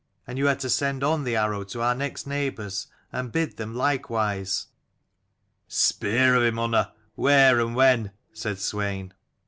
And you are to send on the arrow to our next neighbours, and bid them likewise." "Speer of him, Unna, where and when," said Swein.